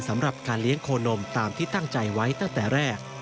สำหรับการเลี้ยงโคนมตามที่ตั้งใจไว้ตั้งแต่แรก